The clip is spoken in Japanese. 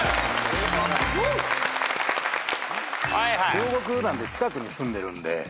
両国なんで近くに住んでるんで。